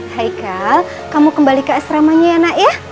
haikal kamu kembali ke asramanya enak ya